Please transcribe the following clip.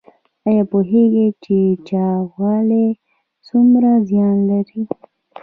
ایا پوهیږئ چې چاغوالی څومره زیان لري؟